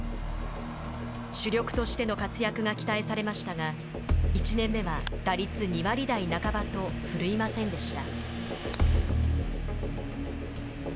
主力としての活躍が期待されましたが１年目は、打率２割代半ばと振るいませんでした。